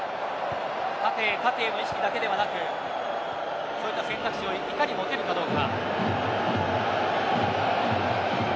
縦へ縦への意識だけではなくそういった選択肢をいかに持てるのかどうか。